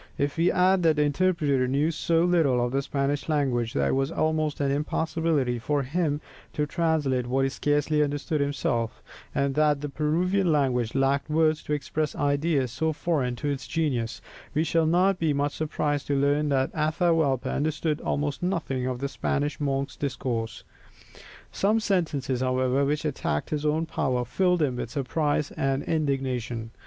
If we add that the interpreter knew so little of the Spanish language that it was almost an impossibility for him to translate what he scarcely understood himself, and that the Peruvian language lacked words to express ideas so foreign to its genius, we shall not be much surprised to learn that Atahualpa understood almost nothing of the Spanish monk's discourse. Some sentences, however, which attacked his own power, filled him with surprise and indignation.